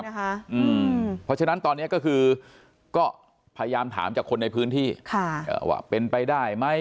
เพราะฉะนั้นตอนนี้ก็คือก็พยายามถามจากคนในพื้นที่ว่าเป็นไปได้ไหม